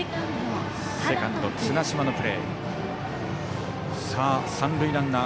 セカンド、綱島のプレーでした。